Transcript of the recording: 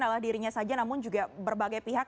adalah dirinya saja namun juga berbagai pihak